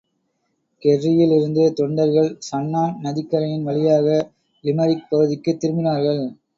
கெர்ரியிலிருந்து தொண்டர்கள் ஷன்னான் நதிக்கரையின் வழியாக லிமெரிக் பகுதிக்குத் திரும்பினார்கள்.